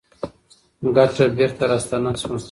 ګټه بېرته راستانه شوه.